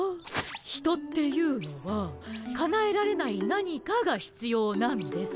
ヒトっていうのはかなえられない何かがひつようなんです。